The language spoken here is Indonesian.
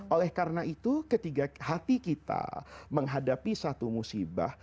oleh karena itu ketika hati kita menghadapi satu musibah